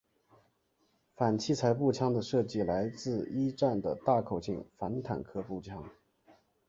反器材步枪的设计来自一战的大口径反坦克步枪。